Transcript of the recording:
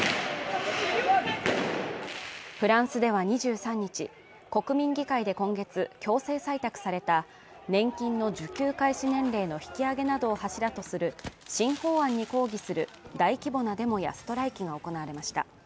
フランスでは２３日、国民議会で今月、強制採択された年金の受給開始年齢の引き上げなどを柱とする新法案に抗議する大規模なデモやストライキが行われました。